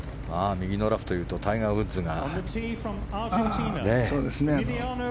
右のラフというとタイガー・ウッズが。